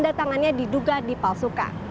tanda tangannya diduga dipalsukan